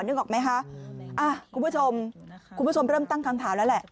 นึกออกไหมคะคุณผู้ชมเริ่มตั้งคำถามแล้วแหละ